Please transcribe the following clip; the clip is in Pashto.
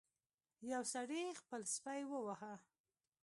یو سړي خپل سپی وواهه.